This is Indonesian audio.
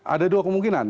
ada dua kemungkinan